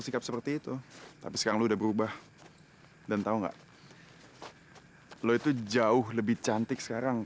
kekuatan ini anak